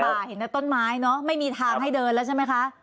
เห็นแต่ต้นไม้เนอะไม่มีทางให้เดินแล้วใช่ไหมคะ